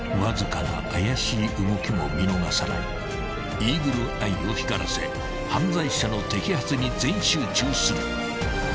［イーグルアイを光らせ犯罪者の摘発に全集中する］